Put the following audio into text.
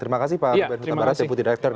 terima kasih pak ruben huta barat deputi direktur